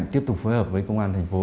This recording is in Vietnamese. tiếp tục phối hợp với công an thành phố